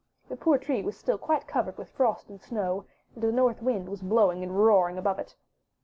The poor tree was still quite covered with frost and snow, and the North Wind was blowing and roaring above it.